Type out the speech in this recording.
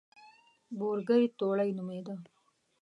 بورګۍ توړۍ نومېده.